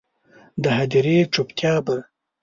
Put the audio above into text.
د هدیرې چوپتیا به،